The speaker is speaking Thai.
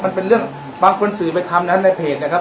มันเป็นเรื่องบางคนสื่อไปทำนั้นในเพจนะครับ